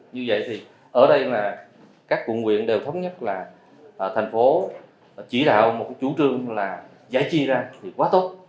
như vậy thì ở đây là các quận nguyện đều thống nhất là thành phố chỉ đạo một cái chủ trương là giải chi ra thì quá tốt